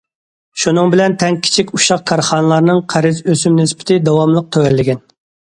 شۇنىڭ بىلەن تەڭ كىچىك ئۇششاق كارخانىلارنىڭ قەرز ئۆسۈم نىسبىتى داۋاملىق تۆۋەنلىگەن.